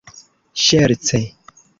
ŝerce